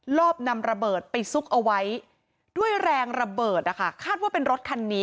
รอบนำระเบิดไปซุกเอาไว้ด้วยแรงระเบิดนะคะคาดว่าเป็นรถคันนี้